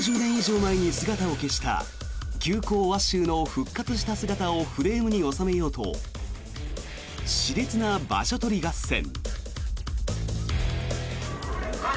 ４０年以上前に姿を消した急行鷲羽の復活した姿をフレームに収めようと熾烈な場所取り合戦。